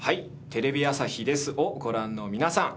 テレビ朝日です』をご覧の皆さん。